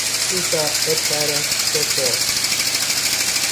Citar é para totós!